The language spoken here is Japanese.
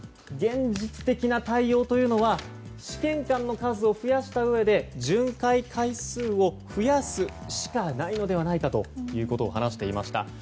現実的な対応というのは試験官の数を増やしたうえで巡回回数を増やすしかないのではないかということを話していました。